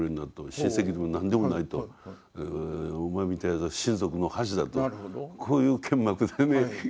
親戚でも何でもないとお前みたいなのは親族の恥だとこういうけんまくでね。